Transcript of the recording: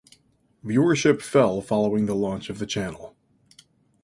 Viewership fell following the launch of the channel.